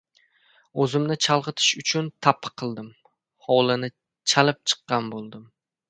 O‘zimni chalg‘itish uchun tappi qildim, hovlini chalib chiqqan bo‘ldim.